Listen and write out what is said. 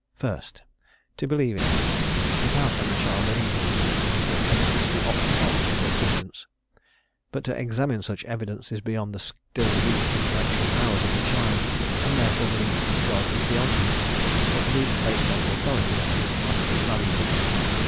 First, "to believe in him;" but how can the child believe in him until evidence be offered of his existence? But to examine such evidence is beyond the still weak intellectual powers of the child, and therefore belief in God is beyond him, for belief based on authority is utterly valueless.